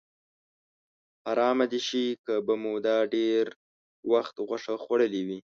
حرامه دې شي که به مو دا ډېر وخت غوښه خوړلې وي.